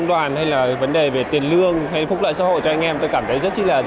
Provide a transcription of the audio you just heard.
có nhiều người họ hầu hết cũng chưa hiểu hết được những luật an toàn giao thông